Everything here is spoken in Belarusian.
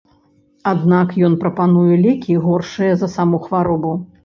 Аднак ён прапануе лекі, горшыя за саму хваробу.